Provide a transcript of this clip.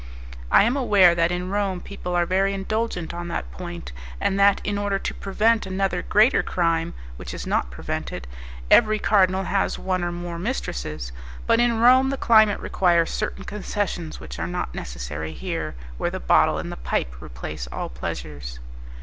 I am aware that in Rome people are very indulgent on that point, and that, in order to prevent another greater crime (which is not prevented), every cardinal has one or more mistresses, but in Rome the climate requires certain concessions which are not necessary here, where the bottle and the pipe replace all pleasures.